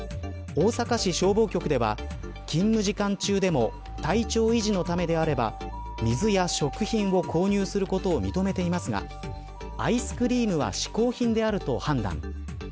大阪市消防局では勤務時間中でも体調維持のためであれば水や食品を購入することを認めていますがアイスクリームは嗜好品であると判断。